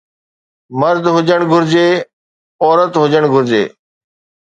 مرد هجڻ گهرجي عورت هجڻ گهرجي